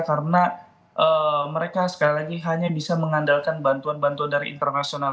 karena mereka sekali lagi hanya bisa mengandalkan bantuan bantuan dari internasional